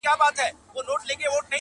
ستا د مخ د سپین کتاب پر هره پاڼه.